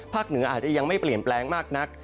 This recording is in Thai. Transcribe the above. เหนืออาจจะยังไม่เปลี่ยนแปลงมากนัก